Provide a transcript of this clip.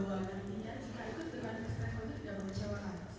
karena yang banyak bicara adalah